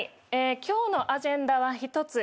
今日のアジェンダは１つ。